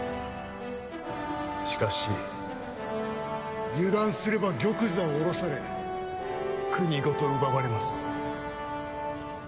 しかし油断すれば玉座を降ろされ国ごと奪われます。